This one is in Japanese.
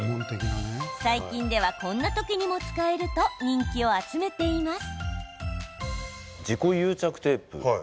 最近では、こんな時にも使えると人気を集めています。